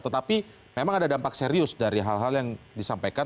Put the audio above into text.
tetapi memang ada dampak serius dari hal hal yang disampaikan